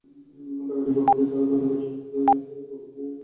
ডাকাতির খবর পেয়ে তারা দ্রুত কুষ্টিয়া ক্যাম্পে খবর দিয়ে ভেড়ামারায় যায়।